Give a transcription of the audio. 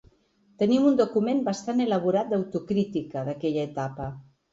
Tenim un document bastant elaborat d’autocrítica d’aquella etapa.